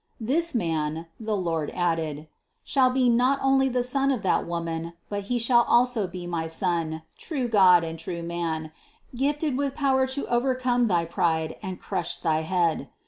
"This Man" (the Lord added) "shall be not only the Son of that Woman, but He shall also be my Son, true God and true man, gifted 102 CITY OF GOD with power to overcome thy pride and crush thy head.